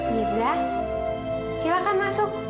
mirza silakan masuk